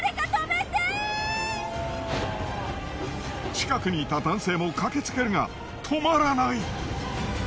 近くにいた男性も駆けつけるが止まらない。